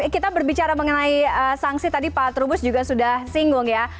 kita berbicara mengenai sanksi tadi pak trubus juga sudah singgung ya